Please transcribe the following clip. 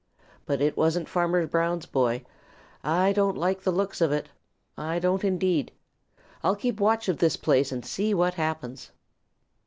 But it wasn't Farmer Brown's boy. I don't like the looks of it. I don't indeed. I'll keep watch of this place and see what happens."